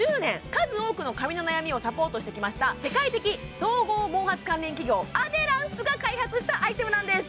数多くの髪の悩みをサポートしてきました世界的総合毛髪関連企業アデランスが開発したアイテムなんです